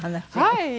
はい。